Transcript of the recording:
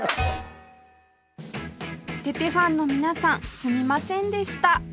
テテファンの皆さんすみませんでした！